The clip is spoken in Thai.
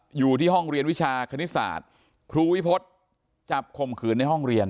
อยู่ที่ห้องเรียนวิชาคณิตศาสตร์ครูวิพฤษจับข่มขืนในห้องเรียน